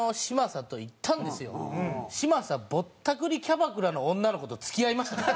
嶋佐ぼったくりキャバクラの女の子と付き合いましたからね。